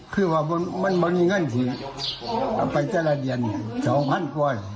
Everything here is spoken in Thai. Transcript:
คือว่ามันมีเงินที่เอาไปเจ้าหน้าเดียน๒๐๐๐บาท๒๕๑๔บาท